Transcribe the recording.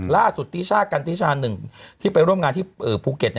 ล่าสุดติชากันติชาหนึ่งที่ไปร่วมงานที่ภูเก็ต